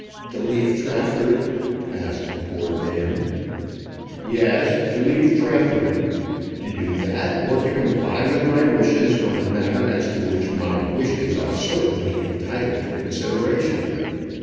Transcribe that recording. "To leave Trafford?" asked the poor man. "Yes; to leave Trafford; to do that or to comply with my wishes on a matter as to which my wishes are certainly entitled to consideration.